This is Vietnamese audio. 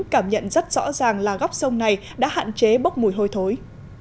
cảm nhận rất rõ ràng là góc sông này đã hạn chế bốc mùi hôi thối